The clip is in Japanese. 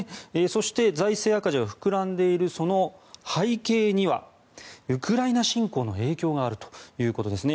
そして、財政赤字が膨らんでいるその背景にはウクライナ侵攻の影響があるということですね。